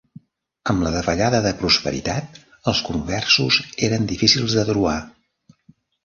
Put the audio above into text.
Amb la davallada de prosperitat, els conversos eren difícils de trobar.